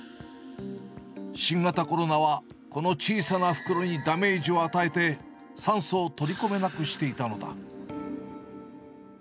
新型コロナは、この小さな袋にダメージを与えて、酸素を取り込めなくしていたのだ。